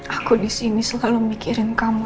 aku disini selalu mikirin kamu